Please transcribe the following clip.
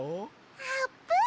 あーぷん！